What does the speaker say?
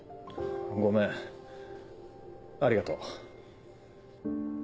ごめんありがとう。